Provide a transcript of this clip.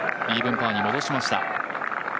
イーブンパーに戻しました。